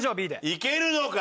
いけるのか？